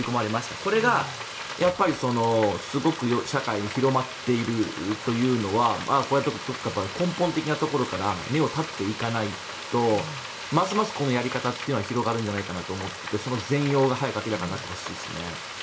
これがやっぱりすごく社会に広まっているというのはこれはどこか根本的なところから根を断っていかないとますますこのやり方というのは広がるんじゃないかと思ってその全容が早く明らかになってほしいですね。